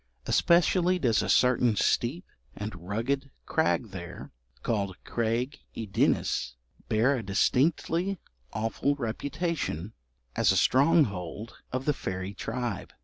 Especially does a certain steep and rugged crag there, called Craig y Ddinas, bear a distinctly awful reputation as a stronghold of the fairy tribe.